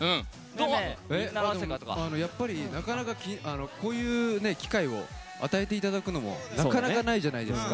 なかなか、こういう機会を与えていただくのもなかなかないじゃないですか。